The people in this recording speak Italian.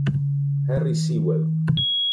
Henry Sewell